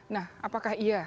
nah apakah iya